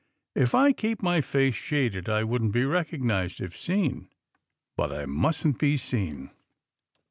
If I keep my face shaded I wouldn't be recognized, if seen — ^but I mustn't be seen."